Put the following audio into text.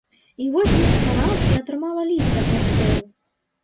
І вось нешта раз я атрымала ліст ад бацькоў.